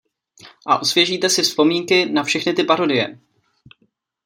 A osvěžíte si vzpomínky na všechny ty parodie.